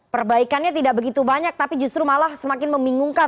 perbaikannya tidak begitu banyak tapi justru malah semakin membingungkan